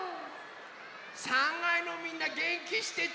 ３がいのみんなげんきしてた？